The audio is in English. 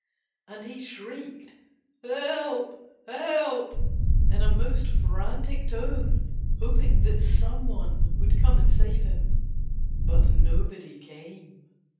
And he shrieked "Help! Help!" in a most frantic tone, hoping that some one would come and save him. But nobody came.